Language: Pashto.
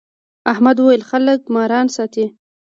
احمد وويل: خلک ماران ساتي.